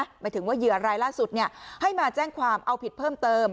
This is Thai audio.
หมายถึงว่าเหยื่อรายล่าสุดให้มาแจ้งความเอาผิดเพิ่มเติม